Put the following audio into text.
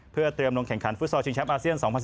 เพื่อเตรียมลงแข่งขันฟุตซอลชิงแชมป์อาเซียน๒๐๑